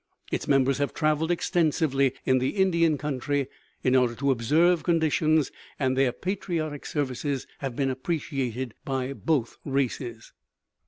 Its members have travelled extensively in the Indian country in order to observe conditions, and their patriotic services have been appreciated by both races.